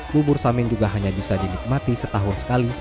bubur samin juga hanya bisa dinikmati setahun sekali